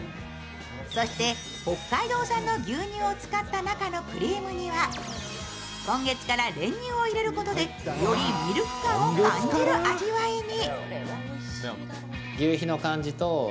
そして、北海道産の牛乳を使った中のクリームには今月から練乳を入れることでよりミルク感を感じる味わいに。